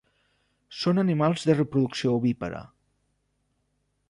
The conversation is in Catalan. Són animals de reproducció ovípara.